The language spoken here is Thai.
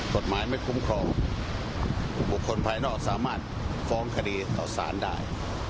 กฎหมายไม่คุ้มครองบุคคลภายนอกสามารถฟ้องคดีต่อสารได้